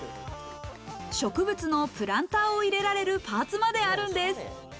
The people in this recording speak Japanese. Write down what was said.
植物のプランターを入れられるパーツまであるんです。